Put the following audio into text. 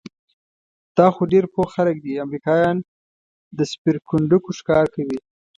دا خو ډېر پوه خلک دي، امریکایان د سپېرکونډکو ښکار کوي؟